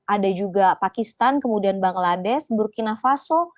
ada juga pakistan kemudian bangladesh burkina faso